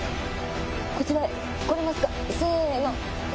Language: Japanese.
こちらへ来れますか。